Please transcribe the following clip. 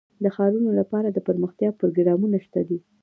د ښارونو لپاره دپرمختیا پروګرامونه شته دي.